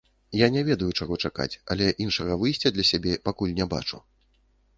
Я не ведаю, чаго чакаць, але іншага выйсця для сябе пакуль не бачу.